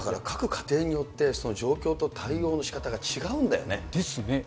各家庭によって、状況と対応のしかたが違うんだよね。ですね。